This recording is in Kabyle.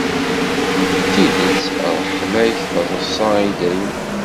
D tidet, ṛṛeḥma-k treṣṣa i dayem.